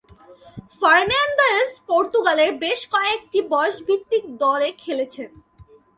Fernandez পর্তুগালের বেশ কয়েকটি বয়সভিত্তিক দলে খেলেছেন।